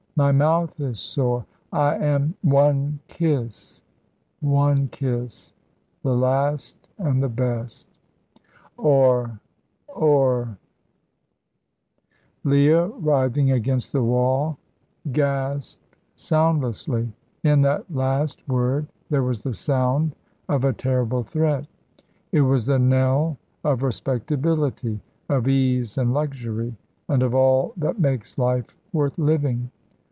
"My mouth is sore. I am " "One kiss one kiss the last and the best; or or " Leah, writhing against the wall, gasped soundlessly. In that last word there was the sound of a terrible threat. It was the knell of respectability, of ease and luxury, and of all that makes life worth living.